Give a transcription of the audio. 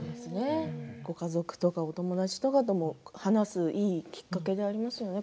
ご家族とかお友達とも話すいいきっかけになりますよね